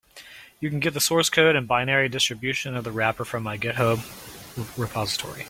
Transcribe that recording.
You can get the source code and binary distribution of the wrapper from my GitHub repository.